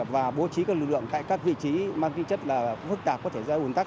và bố trí các lực lượng tại các vị trí mang kinh chất là phức tạp có thể ra ủn tắc